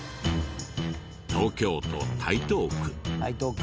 東京都台東区。